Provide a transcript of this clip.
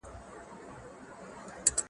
تمرين د زده کوونکي له خوا کيږي.